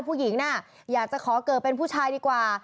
ผู้หญิงน่ะอยากจะขอเกิดเป็นผู้ชายดีกว่า